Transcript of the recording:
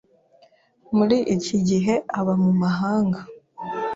Muri iki gihe aba mu mahanga.